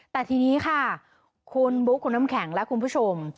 แต่ทีนี้ค่ะคุณบุ๊คคุณน้ำแข็งและคุณผู้ชม